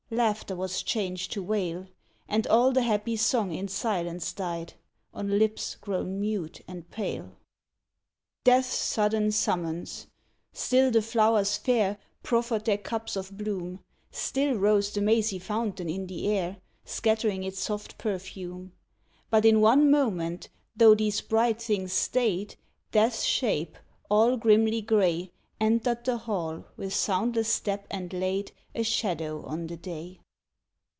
Laughter was changed to wail, And all the happy song in silence died On lips grown mute and pale. MESSENGER WITH BOW STRING Death's sudden summons ! Still the flowers fair Proffered their cups of bloom ; Still rose the mazy fountain in the air, Scattering its soft perfume ; But in one moment, though these bright things stayed, Death 's shape, all grimly gray, Entered the hall with soundless step and laid A shadow on the day.